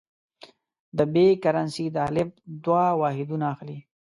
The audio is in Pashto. د ب کرنسي د الف دوه واحدونه اخلي.